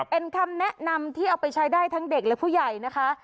เป็นคำแนะนำที่เอาไปใช้ได้ทั้งเด็กและผู้ใหญ่นะคะ